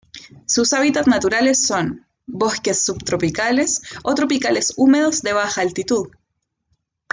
Sus hábitats naturales son: bosques subtropicales o tropicales húmedos de baja altitud.